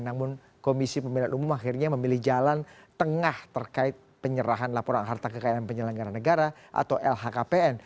namun komisi pemilihan umum akhirnya memilih jalan tengah terkait penyerahan laporan harta kekayaan penyelenggara negara atau lhkpn